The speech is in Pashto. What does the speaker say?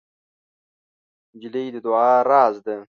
نجلۍ د دعا راز ده.